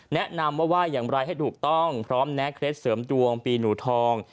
แนะนำว่าว่าอย่างไรให้ถูกต้องพร้อมแนะเคล็ดเสริมดวงปีหนูทอง